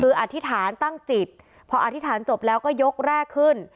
คืออธิษฐานตั้งจิตพออธิษฐานจบแล้วก็ยกแรกขึ้น